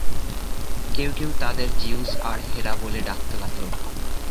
কেউ কেউ তাদের জিউস আর হেরা বলে ডাকতে লাগল।